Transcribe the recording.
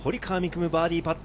夢、バーディーパット。